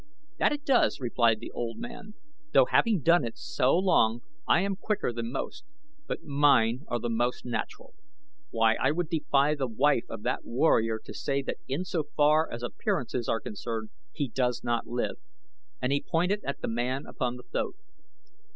"That it does," replied the old man, "though having done it so long I am quicker than most; but mine are the most natural. Why, I would defy the wife of that warrior to say that insofar as appearances are concerned he does not live," and he pointed at the man upon the thoat.